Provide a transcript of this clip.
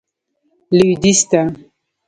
لوېدیځ ته.